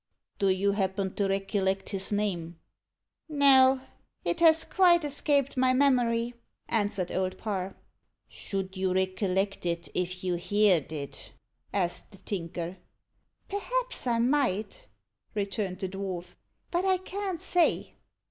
"Do you happen to rekilect his name?" "No; it has quite escaped my memory," answered Old Parr. "Should you rekilect it, if you heerd it?" asked the Tinker. "Perhaps I might," returned the dwarf; "but I can't say."